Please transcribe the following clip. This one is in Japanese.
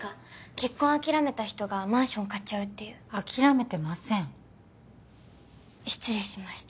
結婚諦めた人がマンション買っちゃうっていう諦めてません失礼しました